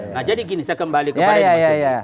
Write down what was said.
nah jadi gini saya kembali kembali